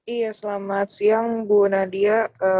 iya selamat siang bu nadia